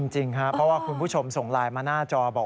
จริงครับเพราะว่าคุณผู้ชมส่งไลน์มาหน้าจอบอก